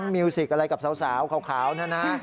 มิวสิกอะไรกับสาวขาวนะนะ